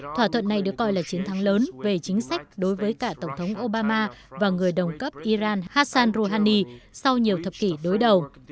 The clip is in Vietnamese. thỏa thuận này được coi là chiến thắng lớn về chính sách đối với cả tổng thống obama và người đồng cấp iran hassan rouhani sau nhiều thập kỷ đối đầu